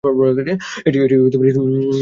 এটি ইসলামের প্রথম মসজিদ।